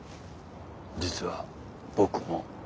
実は僕も。